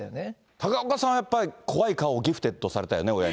高岡さんはやっぱり怖い顔をギフテッドされたよね。